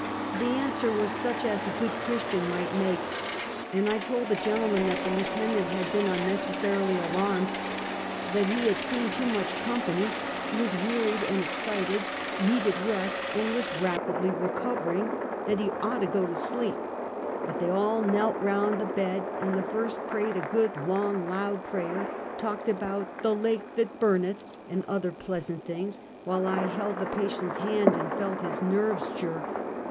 " The answer was such as a good Christian might make; and I told the gentleman that the lieutenant had been unnecessarily alarmed; that he had seen too much company, was weary and excited, needed rest, and was rapidly recovering; that he ought to go to sleep; but they all knelt around the bed, and the first prayed a good, long, loud prayer; talked about " the lake that burneth," and other pleasant things, while I held the patient's hand, and felt his nerves jerk.